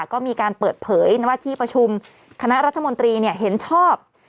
ก็มีการเปิดเผยว่าที่ประชุมคณะรัฐมนตรีเห็นชอบ